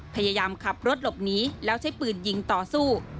พยายามขับรถหลบหนีแล้วใช้ปืนยิงต่อสู้